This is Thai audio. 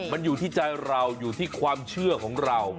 มันอยู่ที่ใจเราอยู่ที่ความเชื่อของเรา